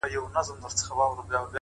د عمل ژبه نړیواله ده،